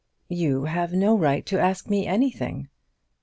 "You have no right to ask me anything."